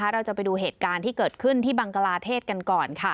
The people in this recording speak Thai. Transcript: เราจะไปดูเหตุการณ์ที่เกิดขึ้นที่บังกลาเทศกันก่อน